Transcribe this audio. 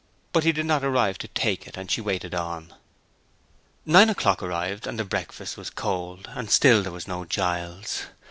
But he did not arrive to take it; and she waited on. Nine o'clock arrived, and the breakfast was cold; and still there was no Giles.